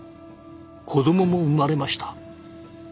子どもも生まれました。